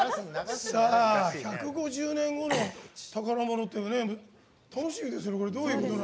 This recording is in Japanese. １５０年後の宝物っていう楽しいですよね。